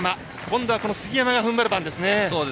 今度は杉山が踏ん張る番です。